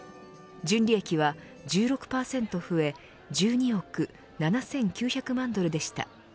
純利益は１６％増え１２億７９００万ドルでした。